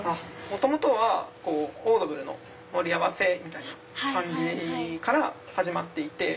元々はオードブルの盛り合わせみたいな感じから始まっていて。